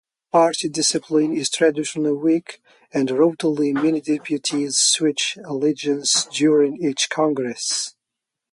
Party discipline is traditionally weak, and routinely many deputies switch allegiance during each Congress.